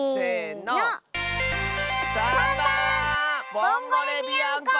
ボンゴレビアンコ！